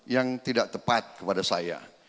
yang tidak tepat kepada saya